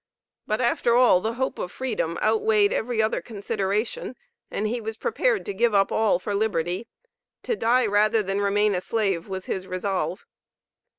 But after all the hope of freedom outweighed every other consideration, and he was prepared to give up all for liberty. To die rather than remain a slave was his resolve.